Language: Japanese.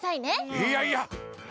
いやいや。